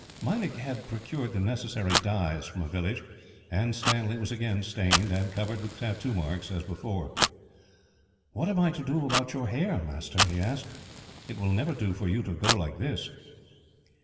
Meinik had procured the necessary dyes from a village, and Stanley was again stained, and covered with tattoo marks, as before. "What am I to do about your hair, master?" he asked. "It will never do for you to go, like this."